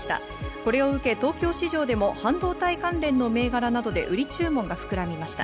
これを受け、東京市場でも半導体関連の銘柄などで売り注文が膨らみました。